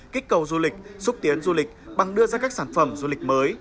kích cầu du lịch xúc tiến du lịch bằng đưa ra các sản phẩm du lịch mới